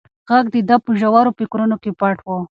غږ د ده په ژورو فکرونو کې پټ و.